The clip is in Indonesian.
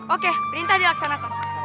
oke perintah dilaksanakan